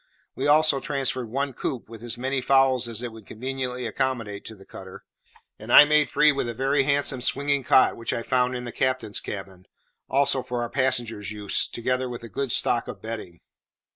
We also transferred one coop, with as many fowls as it would conveniently accommodate, to the cutter; and I made free with a very handsome swinging cot which I found in the captain's cabin, also for our passenger's use, together with a good stock of bedding.